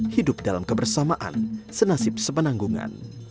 hidup dalam kebersamaan senasib sepenanggungan